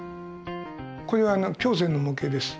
これは胸腺の模型です。